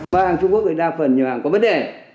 hoa hàng trung quốc thì đa phần nhiều hàng có vấn đề